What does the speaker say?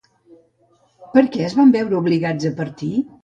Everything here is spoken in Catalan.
Per què es van veure obligats a partir?